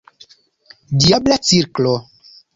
Diabla cirklo!